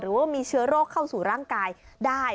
หรือว่ามีเชื้อโรคเข้าสู่ร่างกายได้